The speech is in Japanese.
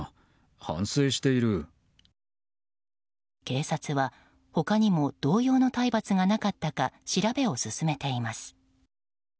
警察は、他にも同様の体罰がなかったか調べを進めています。